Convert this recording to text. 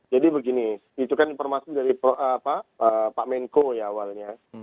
jadi begini itu kan informasi dari pak menko ya awalnya